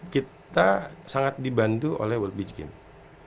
kita sangat dibantu oleh world beach games